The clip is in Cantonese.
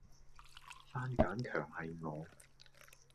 番梘強係我